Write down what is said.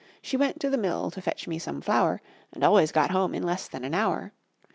She went to the mill to fetch me some flour, And always got home in less than an hour.